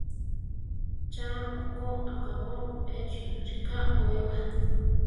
¡Cha okó akábo échi rika oíwaa!